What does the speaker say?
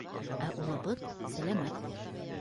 Ә улыбыҙ сәләмәт.